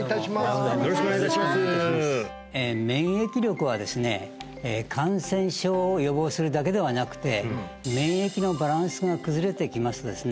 どうもおはようございます免疫力はですね感染症を予防するだけではなくて免疫のバランスが崩れてきますとですね